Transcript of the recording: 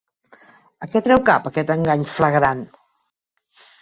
A què treu cap, aquest engany flagrant?